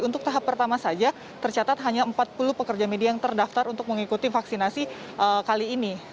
untuk tahap pertama saja tercatat hanya empat puluh pekerja media yang terdaftar untuk mengikuti vaksinasi kali ini